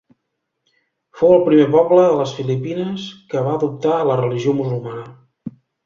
Fou el primer poble de les Filipines que va adoptar la religió musulmana.